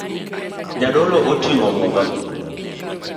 Jadolo oting'o muma